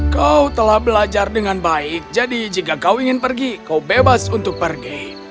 kau telah belajar dengan baik jadi jika kau ingin pergi kau bebas untuk pergi